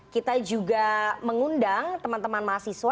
kita juga mengundang teman teman mahasiswa